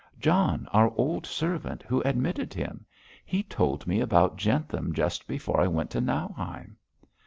'John, our old servant, who admitted him. He told me about Jentham just before I went to Nauheim.'